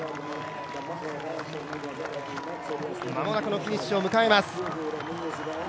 間もなくのフィニッシュを迎えます。